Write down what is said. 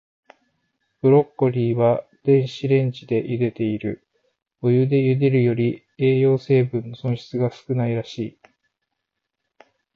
ブロッコリーは、電子レンジでゆでている。お湯でゆでるより、栄養成分の損失が少ないらしい。